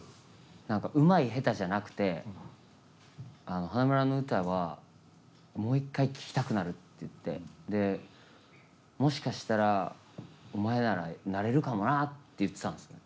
何かうまい下手じゃなくて花村の歌はもう一回聴きたくなるって言ってでもしかしたらお前ならなれるかもなって言ってたんですよ。